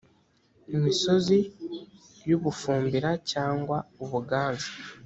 imisozi y u bufumbira cyangwa ubuganza